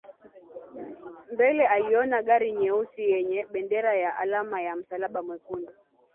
Mbele aliona gari nyeusi yenye bendera ya alama ya msalaba mwekundu